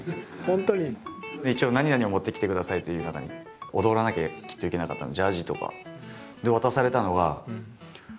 本当に？で一応何々を持ってきてくださいという中に踊らなきゃきっといけなかったのでジャージとか。